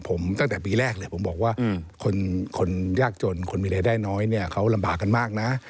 ผมตั้งแต่ปีแรกเลยผมบอกว่าคนยากจนคนมีรายได้น้อยเนี่ยเขาลำบากกันมากนะ